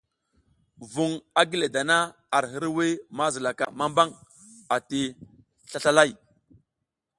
Vuŋ a gi le dana ar hirwuy ma zilaka mambang ati slaslalay.